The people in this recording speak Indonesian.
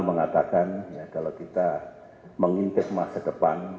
mengatakan kalau kita mengintip masa depan